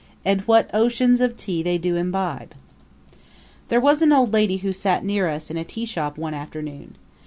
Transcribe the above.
And what oceans of tea they do imbibe! There was an old lady who sat near us in a teashop one afternoon.